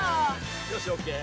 よしオーケー。